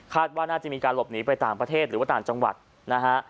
ว่าน่าจะมีการหลบหนีไปต่างประเทศหรือว่าต่างจังหวัดนะฮะ